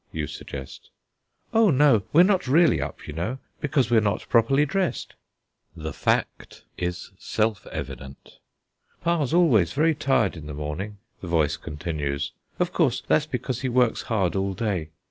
you suggest. "Oh, no; we're not really up, you know, because we're not properly dressed." The fact is self evident. "Pa's always very tired in the morning," the voice continues; "of course, that's because he works hard all day.